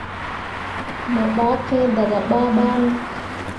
Mo ɓah kiŋ dah gah babane.